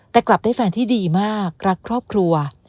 แต่กลับได้แฟนที่ดีมากรักครอบครัว